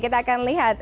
kita akan lihat